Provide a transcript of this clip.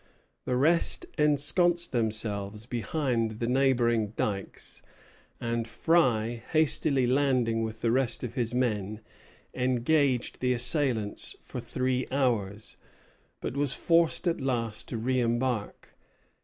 The rest ensconced themselves behind the neighboring dikes, and Frye, hastily landing with the rest of his men, engaged the assailants for three hours, but was forced at last to reimbark.